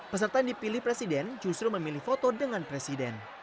peserta yang dipilih presiden justru memilih foto dengan presiden